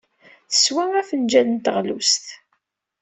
Teswa afenjal n teɣlust.